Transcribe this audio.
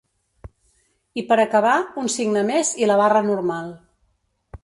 I per acabar, un signe més i la barra normal.